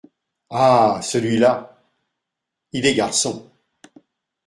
Ah ! celui-là… il est garçon.